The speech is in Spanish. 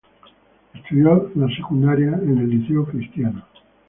Estudió la secundaria en el Liceo Cristiano.